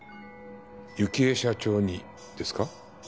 幸恵社長にですか？